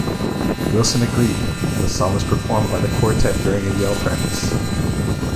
Wilson agreed, and the song was performed by the quartet during a yell practice.